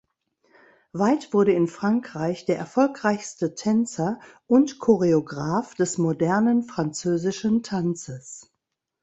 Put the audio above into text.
Weidt wurde in Frankreich der erfolgreichste Tänzer und Choreograph des modernen französischen Tanzes.